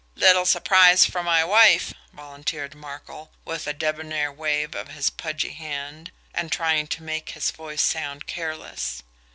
"Little surprise for my wife," volunteered Markel, with a debonair wave of his pudgy hand, and trying to make his voice sound careless.